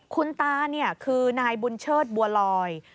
คุณตาเนี่ยคือนายบุญเชิดบัวลอย